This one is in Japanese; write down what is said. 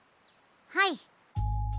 はい。